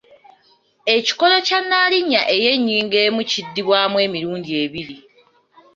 Ekikolo kya nnaalinnya ey’ennyingo emu kiddibwamu emirundi ebiri.